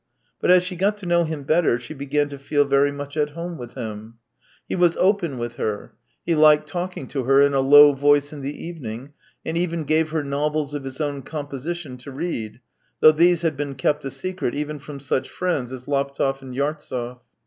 But as she got to know him better, she began to feel very much at home with him. He was open with THREE YEARS 249 her; he hked talking to her in a low voice in the evening, and even gave her novels of his own composition to read, though these had been kept a secret even from such friends as Laptev and Yartsev.